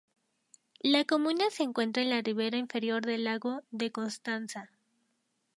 La comuna se encuentra en la riviera inferior del lago de Constanza.